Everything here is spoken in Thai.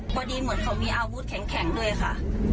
พอดีเหมือนเขามีอาวุธแข็งด้วยค่ะ